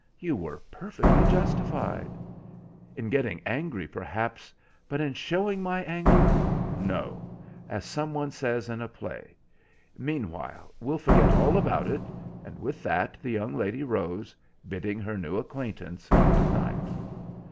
"You were perfectly justified." "In getting angry, perhaps; but in showing my anger, no—as some one says in a play. Meanwhile, we'll forget all about it," and with that the young lady rose, bidding her new acquaintance good night.